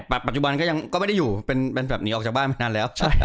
ปัจจุบันก็ยังไม่ได้อยู่เป็นแบบนี้ออกจากบ้านมานานแล้ว